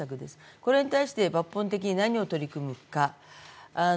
これに対して抜本的に何を取り組むか。